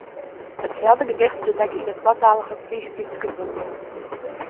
Itselde gedicht stiet ek yn de twatalige Frysk-Dútske bondel.